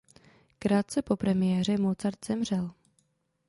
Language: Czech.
Krátce po premiéře Mozart zemřel.